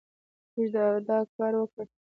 موږ دا کار وکړ